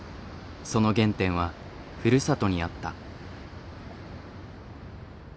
その原点はふるさとにあった。